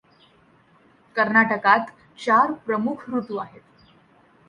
कर्नाटकात चार प्रमुख ऋतू आहेत.